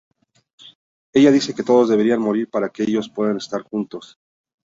Ella dice que todos deberían morir para que ellos puedan estar juntos.